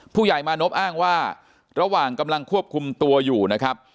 ผู้ใหญ่มานพอ้างว่าระหว่างกำลังควบคุมตัวอยู่นะครับ